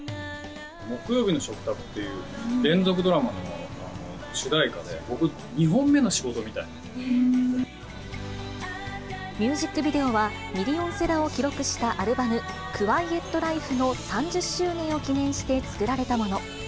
木曜日の食卓っていう、連続ドラマの主題歌で、僕、ミュージックビデオは、ミリオンセラーを記録したアルバム、クワイエット・ライフの３０周年を記念して作られたもの。